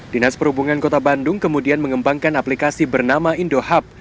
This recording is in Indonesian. dinas perhubungan kota bandung kemudian mengembangkan aplikasi bernama indohub